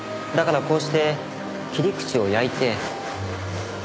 だからこうして切り口を焼いて。